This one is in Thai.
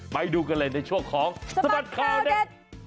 ไปดูกันเลยในช่วงของสมัครนี้